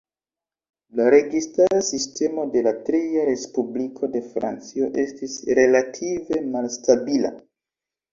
La registara sistemo de la Tria Respubliko de Francio estis relative malstabila.